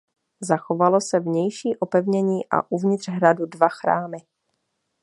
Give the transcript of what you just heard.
Zachovalo se vnější opevnění a uvnitř hradu dva chrámy.